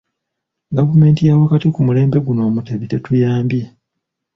Gavumenti yawakati ku mulembe guno Omutebi tetuyambye.